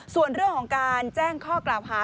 ส่วนเรื่องของการแจ้งข้อกล่าวหา